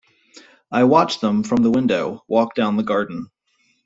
I watched them, from the window, walk down the garden.